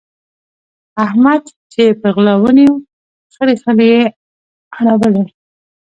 احمد چې يې پر غلا ونيو؛ خړې خړې يې اړولې.